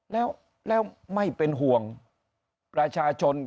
แล้วไม่เป็นห่วงประชาชน